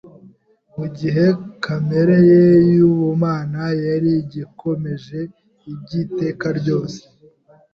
mu gihe kamere ye y’ubumana yari igikomeje iby’iteka ryose.